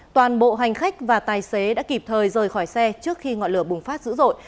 toàn bộ hành khách và tài xế đã kịp thời rời khỏi xe trước khi ngọn lửa bùng phát dữ dội